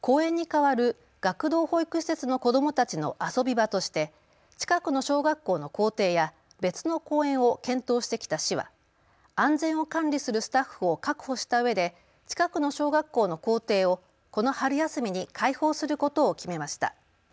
公園に代わる学童保育施設の子どもたちの遊び場として近くの小学校の校庭や別の公園を検討してきた市は安全を管理するスタッフを確保したうえで近くの小学校の校庭をこの春休みに開放することを決めました。